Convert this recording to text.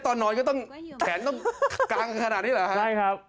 ตอนนอนก็ต้องแขนต้องกังขนาดนี้เหรอฮะใช่ครับ